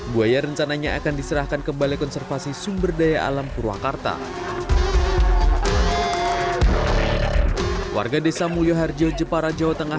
buaya rencananya akan diserahkan ke balai konservasi sumber daya alam purwakarta